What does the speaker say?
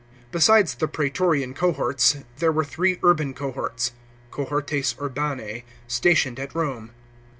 * B< sides the Praetorian cohorts, there were three Urban cohorts (cohortes urbanse) stationed at Korne.